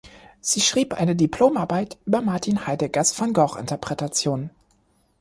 Sie schrieb eine Diplomarbeit über Martin Heideggers van Gogh-Interpretation.